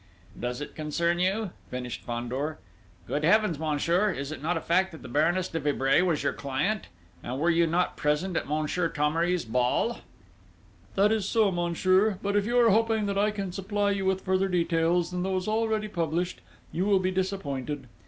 "Does it concern you?" finished Fandor. "Good heavens, monsieur, is it not a fact that the Baroness de Vibray was your client? And were you not present at Monsieur Thomery's ball?" "That is so, monsieur; but if you are hoping that I can supply you with further details than those already published, you will be disappointed.